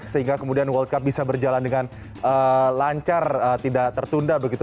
sehingga kemudian world cup bisa berjalan dengan lancar tidak tertunda begitu